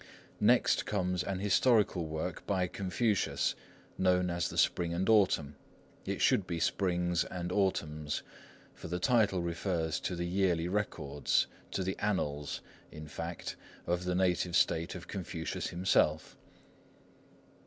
Next comes an historical work by Confucius, known as the Spring and Autumn: it should be Springs and Autumns, for the title refers to the yearly records, to the annals, in fact, of the native State of Confucius himself.